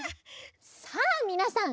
さあみなさん